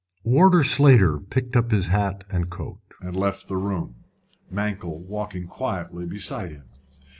Warder Slater picked up his hat and coat, and left the room, Mankell walking quietly beside him.